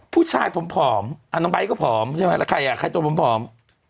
ผู้ชายผอมน้องไบท์ก็ผอมใช่ไหมแล้วใครอ่ะใครตัวผอม